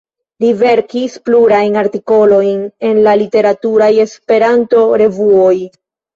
Li verkis plurajn artikolojn en la literaturaj esperanto-revuoj.